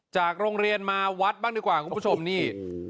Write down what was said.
จากโรงเรียนมาวัดบ้างดีกว่าคุณผู้ชมนี่